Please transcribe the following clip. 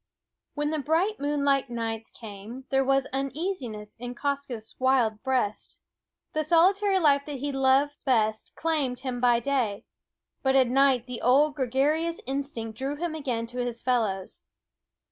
When the bright moonlit nights came, there was uneasiness in Quoskh's wild breast. The solitary life that he loves best claimed him by day ; but at night the old gregarious instinct drew him again to his fellows.